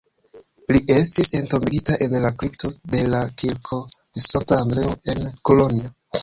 Li estis entombigita en la kripto dela kirko de Sankta Andreo en Kolonjo.